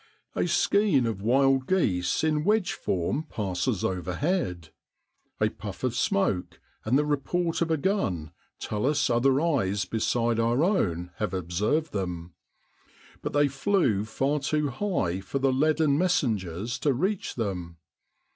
A skein of wild geese in wedge form passes overhead; a puff of smoke and the report of a gun tell us other eyes beside our own have observed them. But they flew far too high for the leaden messengers to reach them.